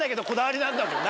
なんだもんな。